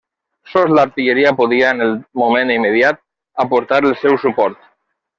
Sols l'artilleria podia, en el moment immediat, aportar el seu suport.